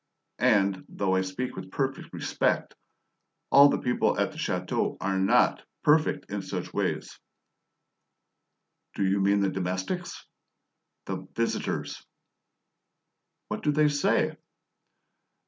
And, though I speak with perfect respect, all the people at the chateau are not perfect in such ways." "Do you mean the domestics?" "The visitors!" "What do they say?"